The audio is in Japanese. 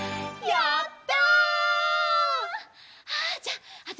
やった！